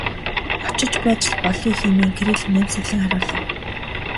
Очиж байж л болъё хэмээн Кирилл инээмсэглэн хариулав.